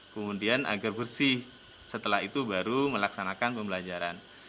kemudian agar bersih setelah itu baru melaksanakan pembelajaran